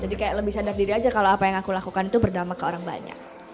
jadi kayak lebih sadar diri aja kalo apa yang aku lakukan itu berdama ke orang banyak